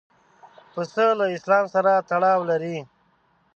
پسه له اسلام سره تړاو لري.